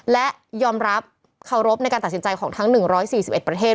และยอมรับเคารพในการตัดสินใจของทั้ง๑๔๑ประเทศ